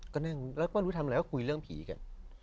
ก็นั่งแล้วก็รู้ทำอะไรก็คุยเรื่องผีกัน